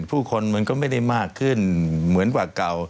ผู้คนมันก็ไม่ได้มากขึ้นเหมือนกว่าเก่า